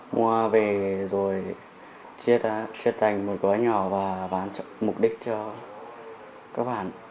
mua về rồi chia thành một gói nhỏ và bán mục đích cho các bạn